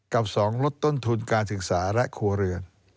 กับ๒ลดต้นทุนการศึกษาและครัวเรือน